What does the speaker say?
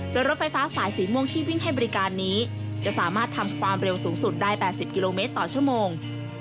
โดยรถไฟฟ้าสายสีม่วงที่วิ่งให้บริการนี้จะสามารถทำความเร็วสูงสุดได้๘๐กิโลเมตรต่อชั่วโมง